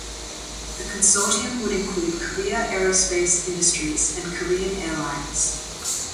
The consortium would include Korea Aerospace Industries and Korean Air Lines.